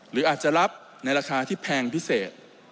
หรืออาจจะรับในราคาที่แพงพิเศษ